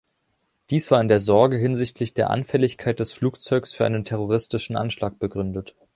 Dies war in der Sorge hinsichtlich der Anfälligkeit des Flugzeugs für einen terroristischen Anschlag begründet.